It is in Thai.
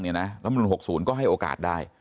แล้วมนุษย์หกศูนย์ก็ให้โอกาสได้